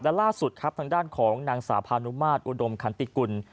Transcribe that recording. และล่าสุดครับทางด้านของนางสาวพานุมาตรอุดมขันติกุล